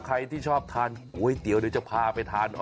ใครที่ชอบทานก้วยเตี๋ยวก็จะพาไปทาน